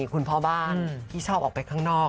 คุณพ่อบ้านที่ชอบออกไปข้างนอก